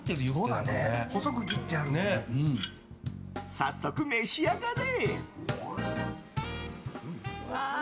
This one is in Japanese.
早速、召し上がれ。